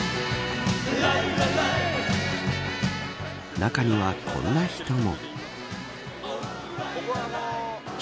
中にはこんな人も。